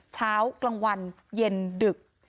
เช้ากลางวันเย็นดึก